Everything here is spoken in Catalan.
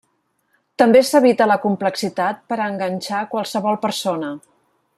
També s'evita la complexitat per a enganxar qualsevol persona.